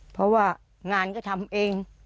เพราะว่างานก็ทำเอง